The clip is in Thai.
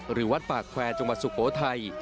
หรือวัดปากแควร์จังหวัดสุโขทัย